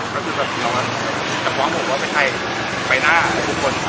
ก็คือตอนที่เราจับหวางบอกว่าไปไทยไปหน้าบุคคล